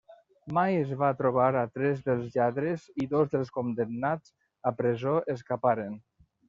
Mai es va trobar a tres dels lladres i dos dels condemnats a presó escaparen.